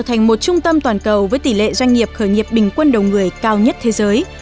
thành một trung tâm toàn cầu với tỷ lệ doanh nghiệp khởi nghiệp bình quân đầu người cao nhất thế giới